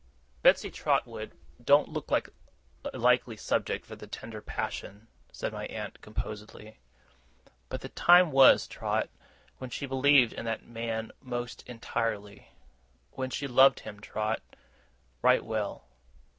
'Betsey Trotwood don't look a likely subject for the tender passion,' said my aunt, composedly, 'but the time was, Trot, when she believed in that man most entirely. When she loved him, Trot, right well.